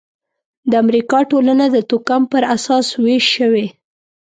د امریکا ټولنه د توکم پر اساس وېش شوې.